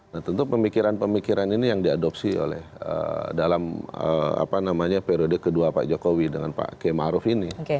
nah tentu pemikiran pemikiran ini yang diadopsi oleh dalam periode kedua pak jokowi dengan pak k maruf ini